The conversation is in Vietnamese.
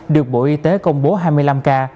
được bộ y tế công bố hai mươi năm ca